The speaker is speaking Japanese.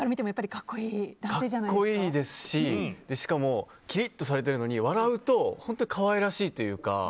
格好いいですししかも、きりっとされているのに笑うと本当に可愛らしいというか。